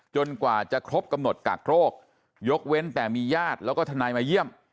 กว่าจะครบกำหนดกักโรคยกเว้นแต่มีญาติแล้วก็ทนายมาเยี่ยม